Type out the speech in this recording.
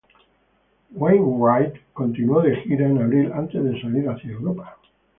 Wainwright continuó de gira en abril antes de salir hacia Europa.